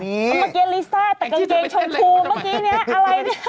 เดี๋ยวเมื่อกี้ลิซ่าตัดกางเกงชมคูมเมื่อกี้เนี่ยอะไรเนี่ย